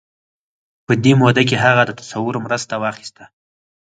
په دې موده کې هغه د تصور مرسته واخيسته.